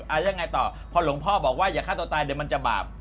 แล้วยังไงต่อพอหลวงพ่อบอกว่าอย่าฆ่าตัวตายเดี๋ยวมันจะบาป